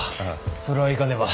それは行かねば。